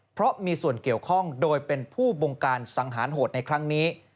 เพราะมีส่วนเกี่ยวข้องโดยเป็นผู้บงการสังหารโหดในครั้งนี้